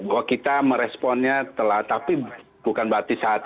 bahwa kita meresponnya telah tapi bukan berarti satu